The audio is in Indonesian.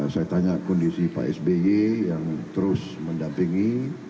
saya tanya kondisi pak sby yang terus mendampingi